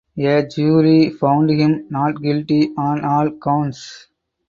A jury found him "not guilty" on all counts.